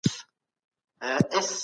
مائر جامع تعریف وړاندې کړ.